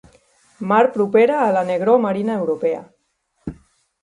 Mar propera a la negror marina europea.